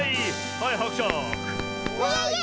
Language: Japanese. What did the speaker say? はいはくしゃく。